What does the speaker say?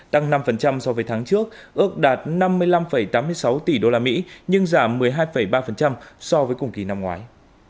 tăng năm so với tháng trước ước đạt năm mươi năm tám mươi sáu tỷ usd nhưng giảm một mươi hai ba so với cùng kỳ năm ngoái